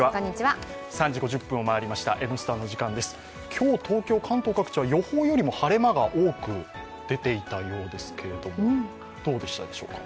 今日、東京、関東各地は予報よりも晴れ間が多く出ていたようですけれども、どうでしたでしょうか。